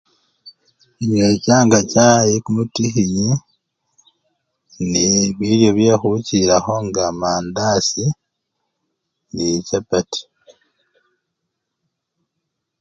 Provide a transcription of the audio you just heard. Inyechanga chai kumutikhinyi ne bilyo byekhuchilakho nga mandazi ne chapati.